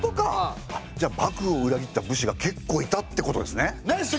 じゃあ幕府を裏切った武士がけっこういたってことですね。